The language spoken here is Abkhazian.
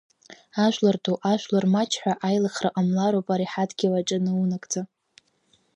Ажәлар ду, ажәлар маҷ ҳәа аилыхра ҟамлароуп ари ҳадгьыл аҿы наунагӡа!